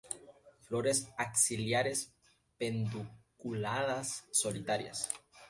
Flores axilares pedunculadas, solitarias.